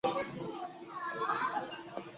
碳原子编号从靠近羰基的一端开始。